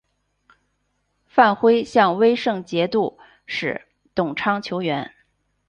范晖向威胜节度使董昌求援。